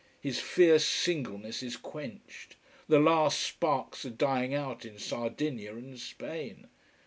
His fierce singleness is quenched. The last sparks are dying out in Sardinia and Spain.